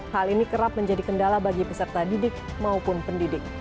hal ini kerap menjadi kendala bagi peserta didik maupun pendidik